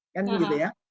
kan gitu ya